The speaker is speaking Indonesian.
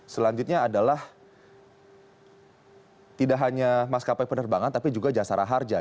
selanjutnya adalah tidak hanya maskapai penerbangan tapi juga jasara harja